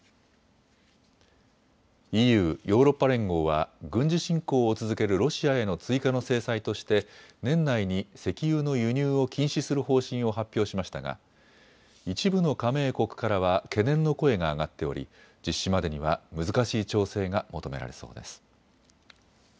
ＥＵ・ヨーロッパ連合は軍事侵攻を続けるロシアへの追加の制裁として年内に石油の輸入を禁止する方針を発表しましたが一部の加盟国からは懸念の声が上がっており、実施までには難しい調整が求められそうです。